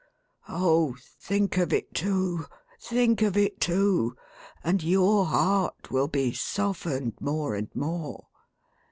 Oh, think of it too, think of it too, and your heart will be softened more and more